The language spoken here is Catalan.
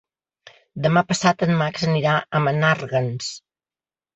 Demà passat en Max anirà a Menàrguens.